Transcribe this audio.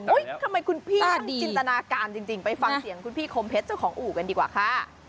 ทำไมคุณพี่จินตนาการจริงไปฟังเสียงคุณพี่คมเพชรเจ้าของอู่กันดีกว่าค่ะ